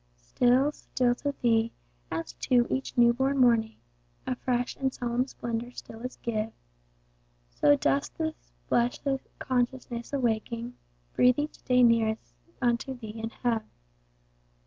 Still, still to Thee, as to each new born morning, A fresh and solemn splendor still is giv'n, So does this blessed consciousness awaking, Breathe each day nearness unto Thee and heav'n.